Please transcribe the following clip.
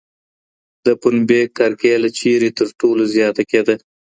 د پنبې کرکیله چیرته تر ټولو زیاته کېده؟